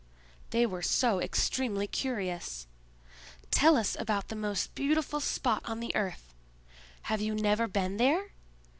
They were so extremely curious. "Tell us about the most beautiful spot on the earth. Have you never been there?